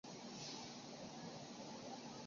八卦完毕，开勋！